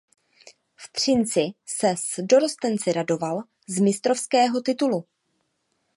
V Třinci se s dorostenci radoval z mistrovského titulu.